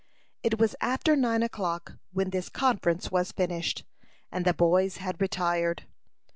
It was after nine o'clock when this conference was finished, and the boys had retired.